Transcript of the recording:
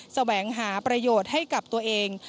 แสวงหาประโยชน์ให้กับตัวเอง